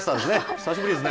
久しぶりですね。